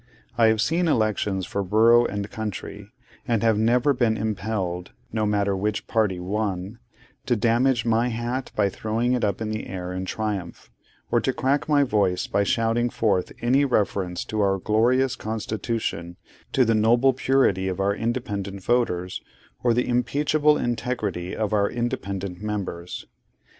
I have seen elections for borough and county, and have never been impelled (no matter which party won) to damage my hat by throwing it up into the air in triumph, or to crack my voice by shouting forth any reference to our Glorious Constitution, to the noble purity of our independent voters, or, the unimpeachable integrity of our independent members.